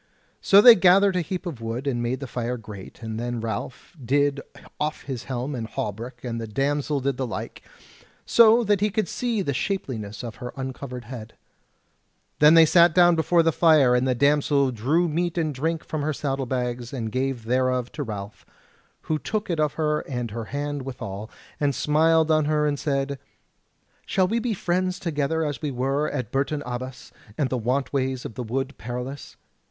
So they gathered a heap of wood and made the fire great; and then Ralph did off his helm and hauberk and the damsel did the like, so that he could see the shapeliness of her uncovered head. Then they sat down before the fire, and the damsel drew meat and drink from her saddle bags, and gave thereof to Ralph, who took it of her and her hand withal, and smiled on her and said: "Shall we be friends together as we were at Bourton Abbas and the want ways of the Wood Perilous?"